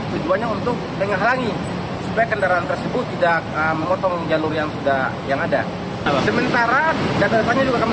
tujuannya untuk menghalangi supaya kendaraan tersebut tidak memotong jalur yang sudah yang ada